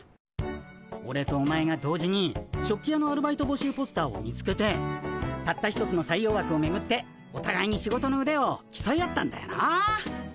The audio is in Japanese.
オレとお前が同時に食器屋のアルバイト募集ポスターを見つけてたった一つの採用枠をめぐっておたがいに仕事のうでをきそい合ったんだよなあ。